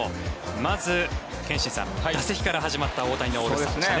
まず、憲伸さん打席から始まった大谷のオールスターでしたね。